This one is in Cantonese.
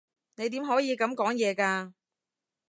你點可以噉講嘢㗎？